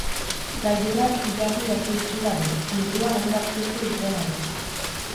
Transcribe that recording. Gailurrak ilargi erdi itxura du, inguruan hainbat zirku dituelarik.